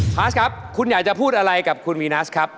พาสครับคุณอยากจะพูดอะไรกับคุณวีนัสครับ